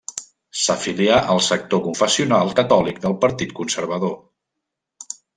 S'afilià al sector confessional catòlic del Partit Conservador.